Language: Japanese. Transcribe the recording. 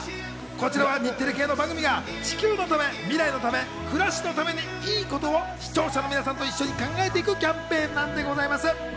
こちらは日テレ系の番組が地球のため未来のため暮らしのために良いことを視聴者の皆さんと一緒に考えていくキャンペーンなんでございます。